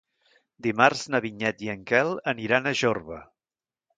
Dimarts na Vinyet i en Quel aniran a Jorba.